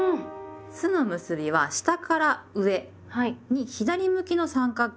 「す」の結びは下から上に左向きの三角形。